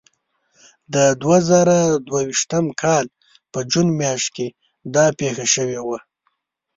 د دوه زره دوه ویشتم کال په جون میاشت کې دا پېښه شوې وه.